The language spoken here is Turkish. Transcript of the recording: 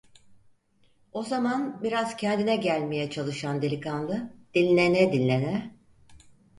O zaman biraz kendine gelmeye çalışan delikanlı, dinlene dinlene: